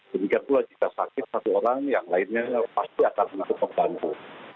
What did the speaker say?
jika pula jika sakit satu orang yang lainnya pasti akan menutup tangku